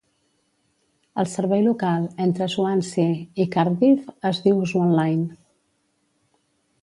El servei local entre Swansea i Cardiff es diu Swanline.